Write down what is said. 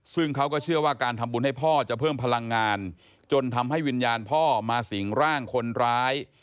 ซึ่งเขาก็เชื่อว่าการทำบุญให้พ่อจะเพิ่มพลังงานจนทำให้วิญญาณพ่อมาสิงร่างคนร้าย